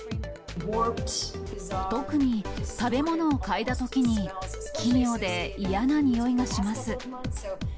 特に食べ物を嗅いだときに、奇妙で嫌なにおいがします。